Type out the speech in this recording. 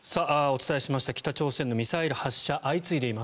お伝えしました北朝鮮のミサイル発射